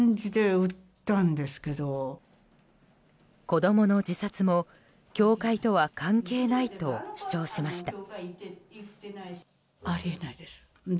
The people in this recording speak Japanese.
子供の自殺も教会とは関係ないと主張しました。